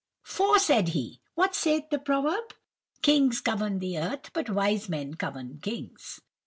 "'For,' said he, 'what saith the proverb? "Kings govern the earth, but wise men govern kings."